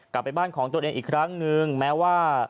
กลับไปบ้านของตัวเองอีกครั้งนึงแม้ว่า